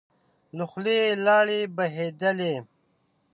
له خولی يې لاړې بهېدلې.